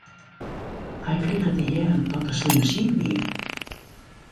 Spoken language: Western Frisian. Hy krige te hearren dat er slim siik wie.